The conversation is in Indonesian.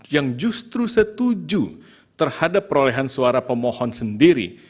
yang justru setuju terhadap perolehan suara pemohon sendiri